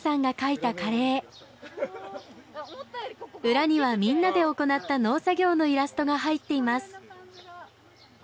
裏にはみんなで行った農作業のイラストが入っています。